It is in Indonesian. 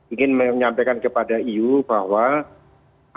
ingin menyampaikan kepada eu bahwa apa yang disampaikan